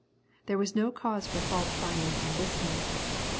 There was no cause for fault finding on this night.